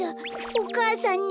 お母さんに！